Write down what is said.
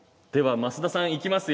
増田さんいきますよ。